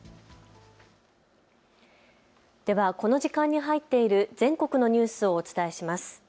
ではこの時間に入っている全国のニュースをお伝えします。